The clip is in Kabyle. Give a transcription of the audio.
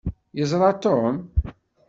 Yeẓṛa Tom?